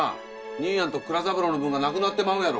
兄やんと蔵三郎の分がなくなってまうやろ